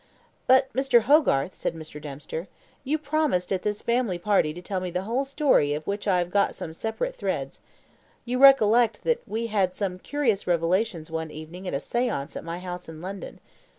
"But, Mr. Hogarth," said Mr. Dempster, "you promised at this family party to tell me the whole story of which I have got some separate threads. You recollect that we had some curious revelations one evening at a seance at my house in London.